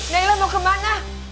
nailah mau kemana